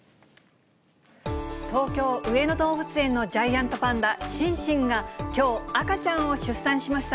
東京・上野動物園のジャイアントパンダ、シンシンがきょう赤ちゃんを出産しました。